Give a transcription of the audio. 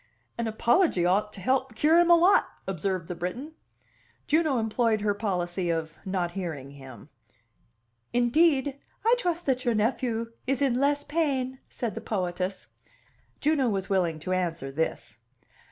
"An apology ought to help cure him a lot," observed the Briton. Juno employed her policy of not hearing him. "Indeed, I trust that your nephew is in less pain," said the poetess. Juno was willing to answer this.